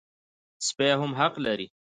سپي هم حق لري.